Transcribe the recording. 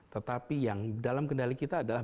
tetapi yang dalam kendali kita adalah